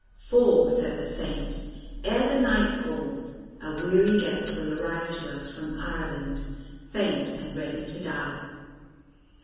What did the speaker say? "For," said the Saint, "ere the night falls a weary guest will arrive to us from Ireland, faint and ready to die.